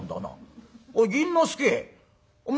おい銀之助お前